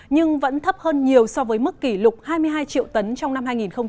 nhưng vẫn thấp hơn nhiều so với mức kỷ lục hai mươi hai triệu tấn trong năm hai nghìn hai mươi